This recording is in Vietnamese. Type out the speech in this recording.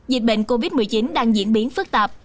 dịch bệnh covid một mươi chín đang diễn biến phức tạp